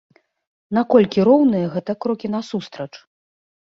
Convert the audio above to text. Наколькі роўныя гэта крокі насустрач?